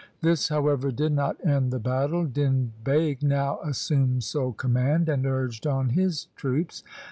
This, however, did not end the battle. Din Beg now assumed sole command, and urged on his troops.